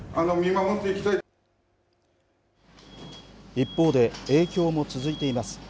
一方で、影響も続いています。